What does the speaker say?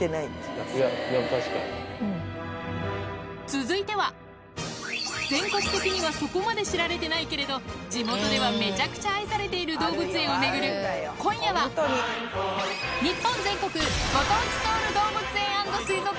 続いては全国的にはそこまで知られてないけれど地元ではめちゃくちゃ愛されている動物園を巡る今夜ははい。